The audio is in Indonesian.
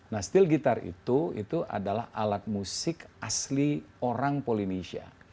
nah steel guitar itu adalah alat musik asli orang polynesia